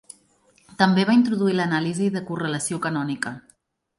També va introduir l'anàlisi de correlació canònica.